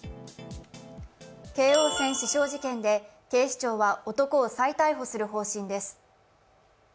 京王線刺傷事件で警視庁は男を再逮捕する方針です。